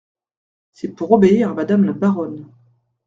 C’est pour obéir à madame la baronne.